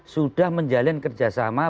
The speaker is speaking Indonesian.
sudah menjalin kerjasama